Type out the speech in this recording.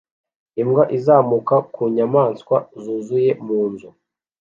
Imbwa izamuka ku nyamaswa zuzuye mu nzu